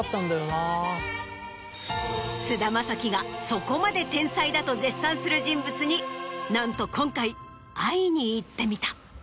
菅田将暉がそこまで天才だと絶賛する人物になんと今回会いに行ってみた。